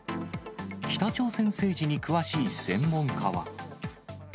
北朝鮮政治に詳しい専門家は。